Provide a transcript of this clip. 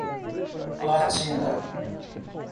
Platina